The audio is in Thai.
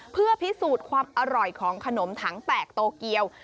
เพื่อพิสูจน์ความอร่อยของขนมถังแตกโตเกียว